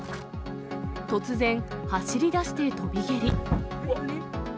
突然、走り出して飛び蹴り。